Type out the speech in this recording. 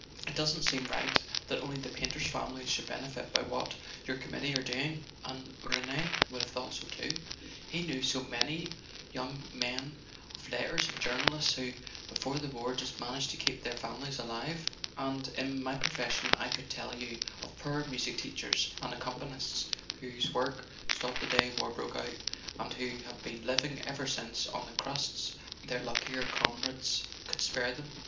"It doesn't seem right that only the painters' families should benefit by what your committee are doing. And Rene would have thought so too. He knew so many young men of letters and journalists who, before the war, just managed to keep their families alive; and in my profession I could tell you of poor music teachers and accompanists whose work stopped the day war broke out, and who have been living ever since on the crusts their luckier comrades could spare them.